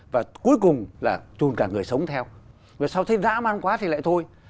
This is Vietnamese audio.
và cuối cùng là trùn cả người sống theo rồi sau thấy dã man quá thì lại thôi